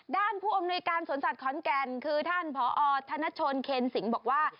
ผู้อำนวยการสวนสัตว์ขอนแก่นคือท่านผอธนชนเคนสิงห์บอกว่า